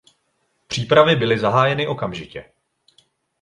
Přípravy byly zahájeny okamžitě.